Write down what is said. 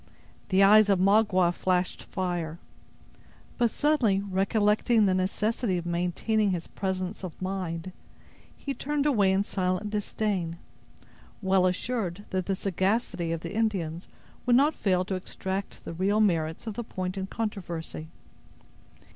The eyes of Magua flashed fire; but suddenly recollecting the necessity of maintaining his presence of mind, he turned away in silent disdain, well assured that the sagacity of the Indians would not fail to extract the real merits of the point in controversy.